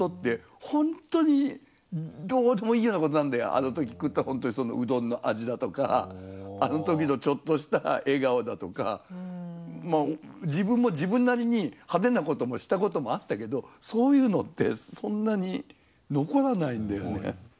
あの時食ったそのうどんの味だとかあの時のちょっとした笑顔だとかまあ自分も自分なりに派手なこともしたこともあったけどそういうのってそんなに残らないんだよね。